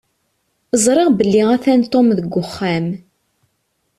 Ẓriɣ belli atan Tom deg wexxam.